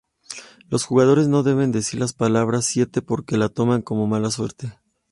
Los jugadores no deben decir la palabra siete porque lo toman como mala suerte.